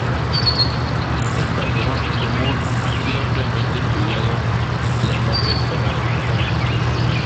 El calderón común ha sido ampliamente estudiado en el Mar Mediterráneo.